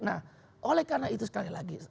nah oleh karena itu sekali lagi